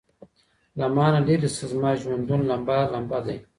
له مانه ليري سه زما ژوندون لمبه ،لمبه دی